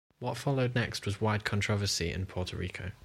What followed next was wide controversy in Puerto Rico.